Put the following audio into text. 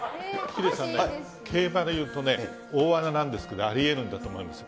ヒデさんね、競馬でいうとね、大穴なんですが、ありえるんだと思います。